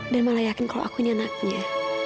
dan malah yakin kalau aku ini anaknya